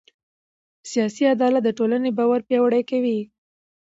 سیاسي عدالت د ټولنې باور پیاوړی کوي